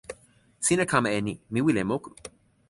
sina kama e ni: mi wile moku.